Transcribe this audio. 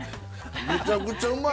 ◆むちゃくちゃうまい！